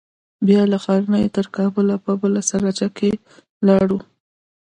بيا له ښرنې تر کابله په بله سراچه کښې ولاړو.